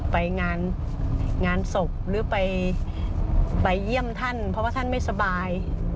ไปงานงานศพหรือไปเยี่ยมท่านเพราะว่าท่านไม่สบาย